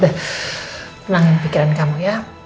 tapi tenangin pikiran kamu ya